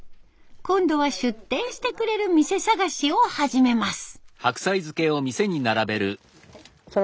今度は出店してくれる店探しを始めます。